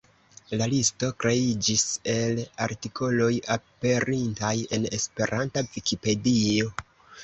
La listo kreiĝis el artikoloj aperintaj en Esperanta Vikipedio.